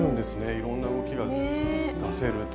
いろんな動きが出せるという。ね。